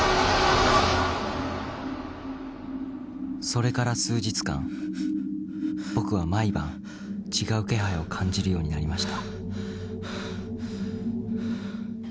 ［それから数日間僕は毎晩違う気配を感じるようになりました］